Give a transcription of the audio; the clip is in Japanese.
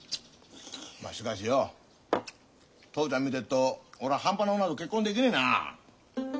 まあしかしよ父ちゃん見てっと俺は半端な女と結婚できねえな。